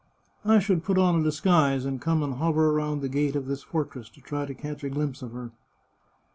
I should put on a disguise and come and hover round the gate of this fortress to try to catch a glimpse of her."